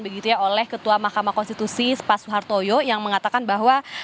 begitu ya oleh ketua mahkamah konstitusi spa suhartoyo yang mengatakan bahwa